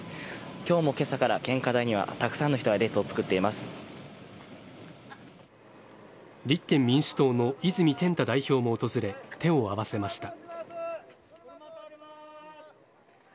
今日もけさから献花台にはたくさんの人が立憲民主党の泉健太代表も訪れ手を合わせました。